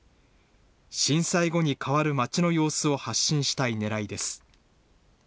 震災後に変わる街の様子を発信したいねらいです。